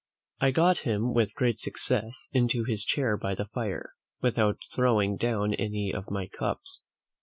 I got him with great success into his chair by the fire, without throwing down any of my cups.